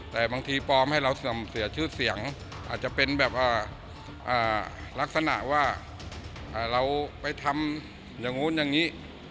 แต่บางทีปลอมให้เราเสื่อมเสียชื่อเสียงอาจจะเป็นแบบว่าลักษณะว่าเราไปทำอย่างนู้นอย่างนี้